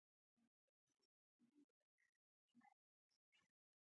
افغانستان د کلي په اړه مشهور تاریخی روایتونه لري.